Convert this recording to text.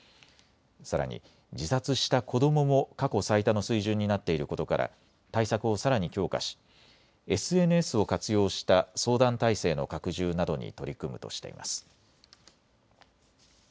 さらに自殺した子どもも過去最多の水準になっていることから対策をさらに強化しＳＮＳを活用した相談体制の拡充などに取り組むとしています。